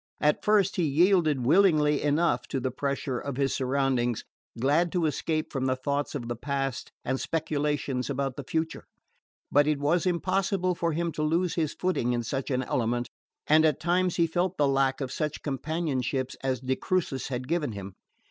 At first he yielded willingly enough to the pressure of his surroundings, glad to escape from thoughts of the past and speculations about the future; but it was impossible for him to lose his footing in such an element, and at times he felt the lack of such companionship as de Crucis had given him.